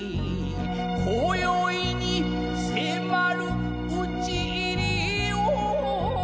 「今宵にせまる討ち入りを」